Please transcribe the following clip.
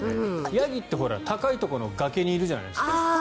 ヤギって高いところの崖にいるじゃないですか。